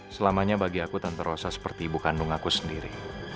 selamanya bagi aku tak terasa seperti ibu kandung aku sendiri